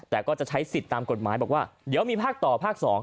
แต่ก็จะใช้สิทธิ์ตามกฎหมายบอกว่าเดี๋ยวมีภาคต่อภาค๒